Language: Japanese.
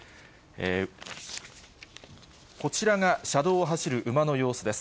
こちらが、車道を走る馬の様子です。